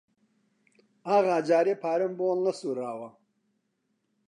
ئاغا جارێ پارەم بۆ هەڵنەسووڕاوە